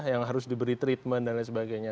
yang harus diberi treatment dan lain sebagainya